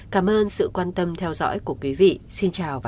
cảm ơn sự quan tâm theo dõi của quý vị xin chào và hẹn gặp lại